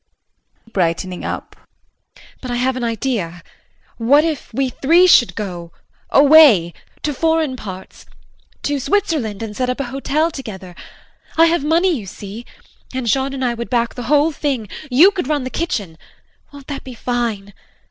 Hm, hm! JULIE [Brightening up]. But I have an idea what if we three should go away to foreign parts. To Switzerland and set up a hotel together I have money you see and Jean and I would back the whole thing, you could run the kitchen. Won't that be fine?